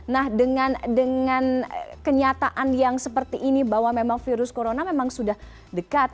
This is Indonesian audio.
nah dengan kenyataan yang seperti ini bahwa memang virus corona memang sudah dekat